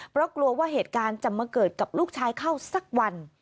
เพราะกลัวว่าเหตุการณ์จะมาเกิดกับลูกชายเข้าสักวัน